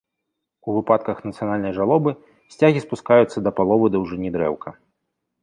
У выпадках нацыянальнай жалобы сцягі спускаюцца да паловы даўжыні дрэўка.